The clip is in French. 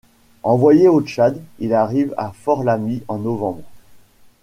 Envoyé au Tchad, il arrive à Fort-Lamy en novembre.